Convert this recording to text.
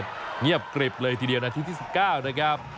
เงียบกริบเลยทีเดียวนาทีที่๑๙นะครับ